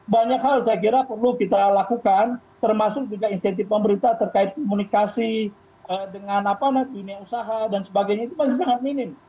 banyak hal saya kira perlu kita lakukan termasuk juga insentif pemerintah terkait komunikasi dengan dunia usaha dan sebagainya itu masih sangat minim